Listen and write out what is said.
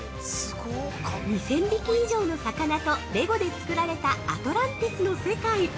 ◆２０００匹以上の魚とレゴで作られたアトランティスの世界。